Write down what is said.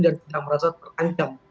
dan tidak merasa terancam